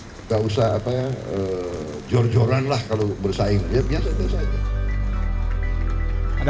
padahal menanggapi wacana koalisi besar yang belakangan mencuat zulkifli mengatakan pan siap berkoalisi dengan partai lain yang memiliki kesamaan komitmen